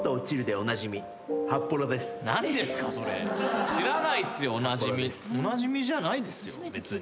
おなじみじゃないですよ別に。